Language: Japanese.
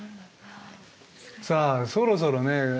さあそろそろね